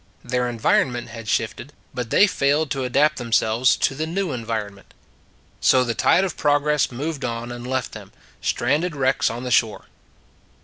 Their environment had shifted, but they failed to adapt themselves to the new en vironment. So the tide of progress moved on and left them, stranded wrecks on the shore.